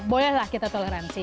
bolehlah kita toleransi